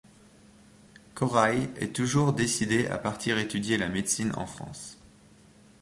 Koraïs est toujours décidé à partir étudier la médecine en France.